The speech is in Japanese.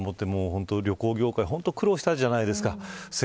コロナで本当に旅行業界が苦労したじゃないですか。